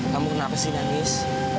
kamu kenapa sih nandis